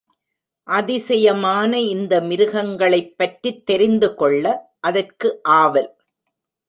அதிசயமான இந்த மிருகங்களைப் பற்றித் தெரிந்துகொள்ள அதற்கு ஆவல்.